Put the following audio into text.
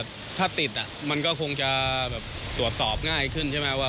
แต่ผมก็ว่าถ้าติดมันก็คงจะตรวจสอบง่ายขึ้นใช่ไหม